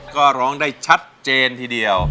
ก็ร้องได้ชัดเจนทีเดียว